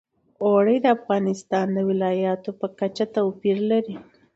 اوړي د افغانستان د ولایاتو په کچه توپیر لري.